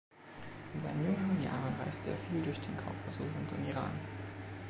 In seinen jüngeren Jahren reiste er viel durch den Kaukasus und den Iran.